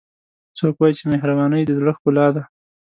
څوک وایي چې مهربانۍ د زړه ښکلا ده